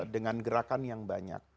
dengan gerakan yang banyak